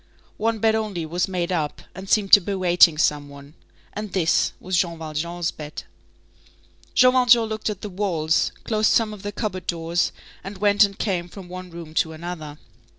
One bed only was made up, and seemed to be waiting some one, and this was Jean Valjean's bed. Jean Valjean looked at the walls, closed some of the cupboard doors, and went and came from one room to another.